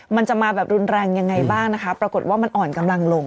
มันจะมาแบบรุนแรงยังไงบ้างนะคะปรากฏว่ามันอ่อนกำลังลง